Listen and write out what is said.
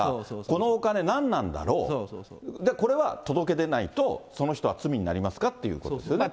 このお金何なんだろう、これは届け出ないと、その人は罪になりますかということですよね。